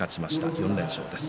４連勝です。